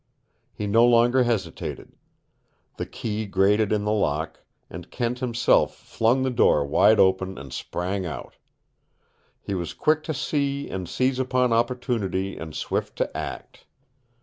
He no longer hesitated. The key grated in the lock, and Kent himself flung the door wide open and sprang out. He was quick to see and seize upon opportunity and swift to act.